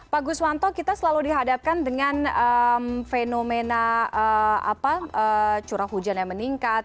pak guswanto kita selalu dihadapkan dengan fenomena curah hujan yang meningkat